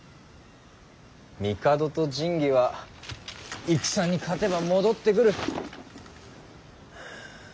帝と神器は戦に勝てば戻ってくる。